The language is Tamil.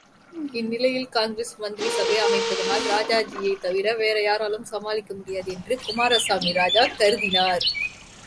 இந்நிலையில் காங்கிரஸ் மந்திரிசபை அமைப்பதானால் ராஜாஜியைத் தவிர வேறு யாராலும் சமாளிக்க முடியாது என்று குமாரசாமி ராஜா கருதினார்.